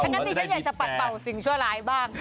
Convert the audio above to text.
งั้นดิฉันอยากจะปัดเป่าสิ่งชั่วร้ายบ้าง